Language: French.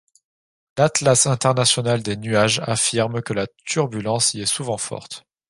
L'Atlas international des nuages affirme que la turbulence y est souvent forte.